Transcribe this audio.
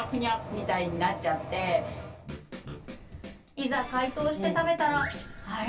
いざ解凍して食べたらあれ？